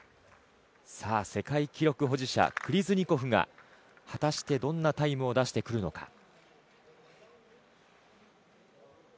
さあ、世界記録保持者クリズニコフが果たしてどんなタイムを出してくるのか。